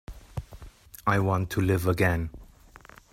I want to live again.